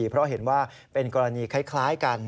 เพราะเห็นว่าเป็นกรณีคล้ายกัน